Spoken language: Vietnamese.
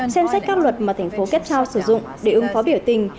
xem xét các luật mà thành phố cape town sử dụng để ứng phó biểu tình